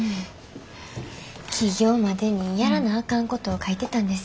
起業までにやらなあかんことを書いてたんです。